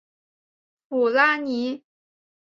普拉尼。